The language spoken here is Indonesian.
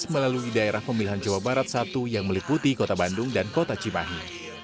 melalui daerah pemilihan jawa barat satu yang meliputi kota bandung dan kota cimahi